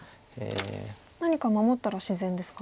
何か守ったら自然ですか？